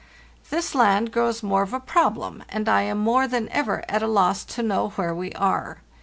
"This land grows more of a problem, and I am more than ever at a loss to know where we are.